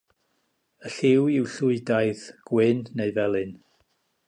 Y lliw yw llwydaidd, gwyn neu felyn.